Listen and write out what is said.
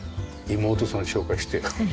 妹さん紹介してよ。